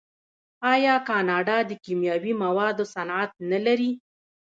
آیا کاناډا د کیمیاوي موادو صنعت نلري؟